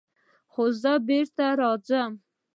خو زه بېرته ځم.